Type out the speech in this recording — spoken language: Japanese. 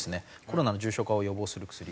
コロナの重症化を予防する薬。